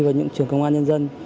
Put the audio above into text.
vào những trường công an nhân dân